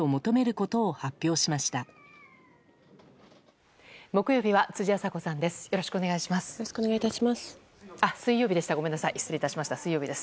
よろしくお願いします。